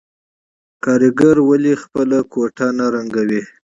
کارګران ولې خپله کوټه نه رنګوي